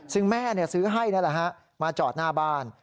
ซึ่งแม่ซื้อให้มาจอดหน้าบ้าน